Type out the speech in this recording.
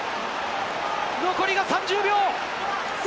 残りが３０秒！